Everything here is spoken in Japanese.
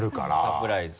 サプライズ。